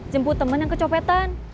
jemput temen yang kecopetan